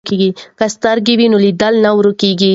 که سترګې وي نو لید نه ورکیږي.